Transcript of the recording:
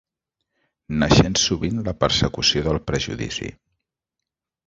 Naixent sovint la persecució del prejudici.